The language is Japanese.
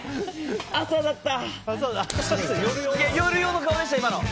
朝だった。